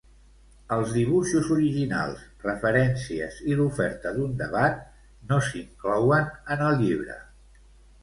Els dibuixos originals, referències i l'oferta d'un debat no s'inclouen en el llibre.